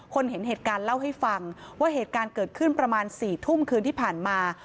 เห็นเหตุการณ์เล่าให้ฟังว่าเหตุการณ์เกิดขึ้นประมาณ๔ทุ่มคืนที่ผ่านมา